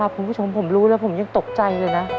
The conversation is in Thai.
คุณผู้ชมผมรู้แล้วผมยังตกใจเลยนะ